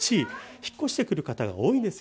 引っ越してくる方が多いんです。